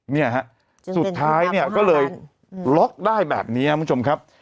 เนี่ยฮะสุดท้ายเนี่ยก็เลยล็อกได้แบบนี้ครับคุณผู้ชมครับ